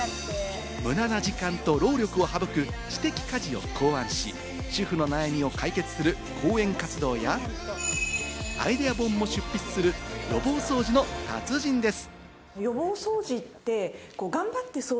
無駄な時間と労力を省く知的家事を考案し、主婦の悩みを解決する講演活動やアイデア本も執筆する予防掃除の達人です。